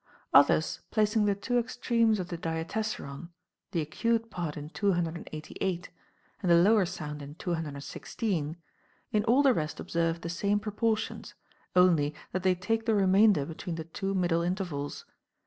19. Others, placing the two extremes of the diates saron, the acute part in 288, and the lower sound in 216, in all the rest observe the same proportions, only that they take the remainder between the two middle intervals.